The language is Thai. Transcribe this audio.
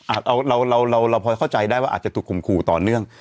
เราเราพอเข้าใจได้ว่าอาจจะถูกข่มขู่ต่อเนื่อง